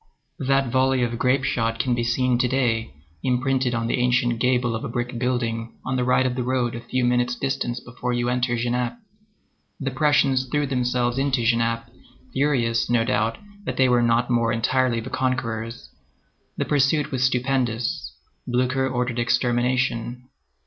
That volley of grape shot can be seen to day imprinted on the ancient gable of a brick building on the right of the road at a few minutes' distance before you enter Genappe. The Prussians threw themselves into Genappe, furious, no doubt, that they were not more entirely the conquerors. The pursuit was stupendous. Blücher ordered extermination.